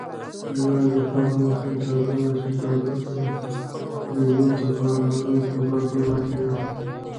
یوازې هغه وخت اجازه وه چې ډالر پر پیزو تبادله کړي.